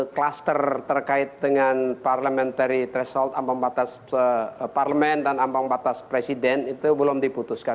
kluster terkait dengan parliamentary threshold ambang batas parlemen dan ambang batas presiden itu belum diputuskan